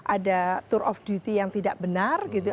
ada tour of duty yang tidak benar gitu